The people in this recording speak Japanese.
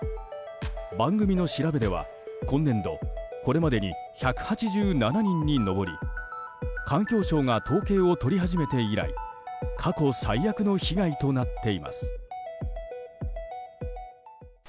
番組の調べでは今年度これまでに１８７人に上り環境省が統計を取り始めて以来過去最悪の被害となっています。